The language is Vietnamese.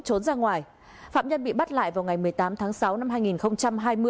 trốn ra ngoài phạm nhân bị bắt lại vào ngày một mươi tám tháng sáu năm hai nghìn hai mươi